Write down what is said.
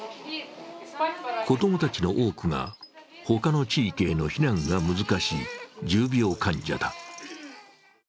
子供たちの多くが他の地域への避難が難しい重病患者だ。